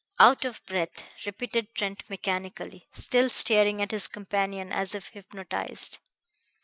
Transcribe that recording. "Out of breath," repeated Trent mechanically, still staring at his companion as if hypnotized.